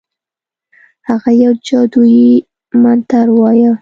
هغه یو جادویي منتر ووایه.